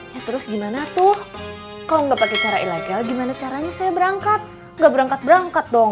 ya terus gimana tuh kok nggak pakai cara ilegal gimana caranya saya berangkat nggak berangkat berangkat dong